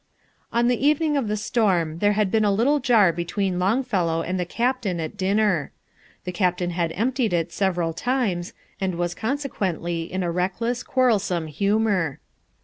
On the evening of the storm there had been a little jar between Longfellow and the captain at dinner. The captain had emptied it several times, and was consequently in a reckless, quarrelsome humour.